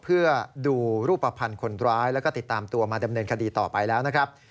เพื่อดูรูปภัณฑ์คนร้ายแล้วก็ติดตามตัวมาดำเนินคดีต่อไปแล้วนะครับ